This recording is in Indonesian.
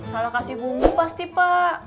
kalau kasih bumbu pasti pak